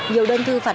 nhiều đơn thư phản ánh